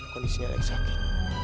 kondisinya lagi sakit